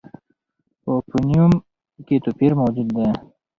په فونېم کې توپیر موجود دی.